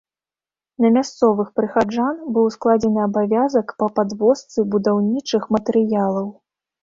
На мясцовых прыхаджан быў ускладзены абавязак па падвозцы будаўнічых матэрыялаў.